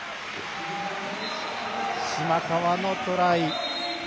島川のトライ。